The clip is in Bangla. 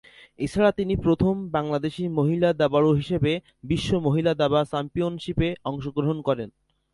এছাড়া তিনি প্রথম বাংলাদেশী মহিলা দাবাড়ু হিসেবে বিশ্ব মহিলা দাবা চ্যাম্পিয়নশিপে অংশগ্রহণ করেন।